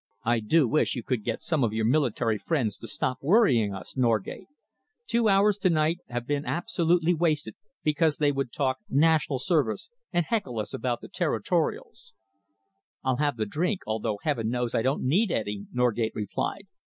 I do wish you could get some of your military friends to stop worrying us, Norgate. Two hours to night have been absolutely wasted because they would talk National Service and heckle us about the territorials." "I'll have the drink, although heaven knows I don't need any!" Norgate replied.